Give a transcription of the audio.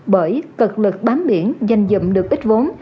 bởi cực lực bám biển dành dụng được ít vốn